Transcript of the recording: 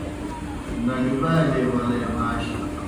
نگہبالیے ولے ماشیْ